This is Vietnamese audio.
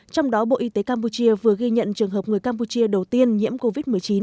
trong đó bộ y tế campuchia vừa ghi nhận trường hợp người campuchia đầu tiên nhiễm covid một mươi chín